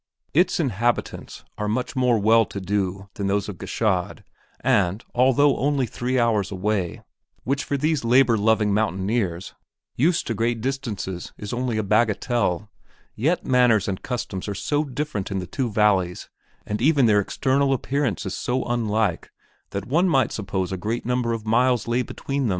Its inhabitants are much more well to do than those of Gschaid and, although only three hours away, which for these labor loving mountaineers used to great distances is only a bagatelle, yet manners and customs are so different in the two valleys and even their external appearance is so unlike that one might suppose a great number of miles lay between.